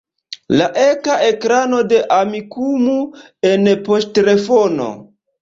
La eka ekrano de Amikumu en poŝtelefono.